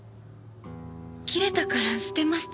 切れたから捨てました。